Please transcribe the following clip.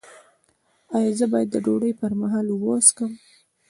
ایا زه باید د ډوډۍ پر مهال اوبه وڅښم؟